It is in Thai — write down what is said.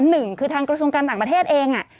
หนึ่งคือทางกระทรวงการต่างประเทศเอง